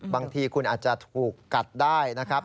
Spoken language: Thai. บางทีคุณอาจจะถูกกัดได้นะครับ